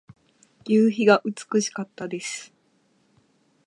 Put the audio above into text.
夕日が美しかったです。